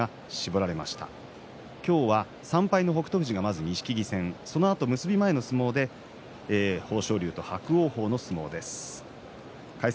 今日は３敗の北勝富士がまず錦木戦そのあと結び前の相撲で豊昇龍と伯桜鵬の相撲です。